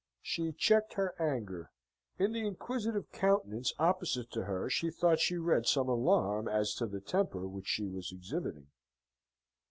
She checked her anger. In the inquisitive countenance opposite to her she thought she read some alarm as to the temper which she was exhibiting.